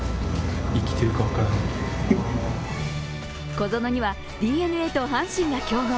小園にはＤｅＮＡと阪神が競合。